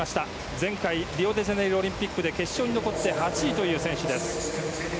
前回リオデジャネイロオリンピックで決勝に残って８位という選手です。